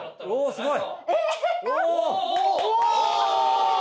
すごい！